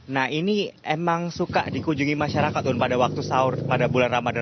nah ini emang suka dikunjungi masyarakat dong pada waktu sahur pada bulan ramadan